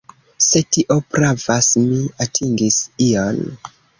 Se tio pravas, mi atingis ion.